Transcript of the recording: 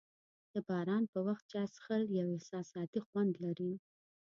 د باران په وخت چای څښل یو احساساتي خوند لري.